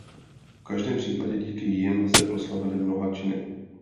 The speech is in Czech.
V každém případě díky jim se proslavili mnoha činy.